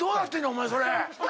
お前それ。